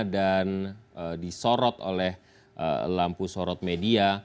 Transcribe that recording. dan disorot oleh lampu sorot media